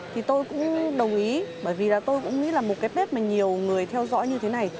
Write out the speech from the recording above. thì tôi cũng đồng ý bởi vì là tôi cũng nghĩ là một cái bếp mà nhiều người theo dõi như thế này